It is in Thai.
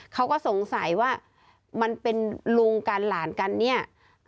เขาก็สงสัยว่ามันเป็นลุงกันหลานกันเนี่ย